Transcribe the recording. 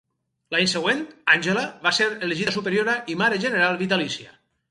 L'any següent, Àngela va ser elegida superiora i mare general vitalícia.